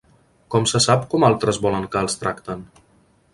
Com se sap com altres volen que els tracten?